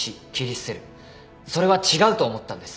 それは違うと思ったんです。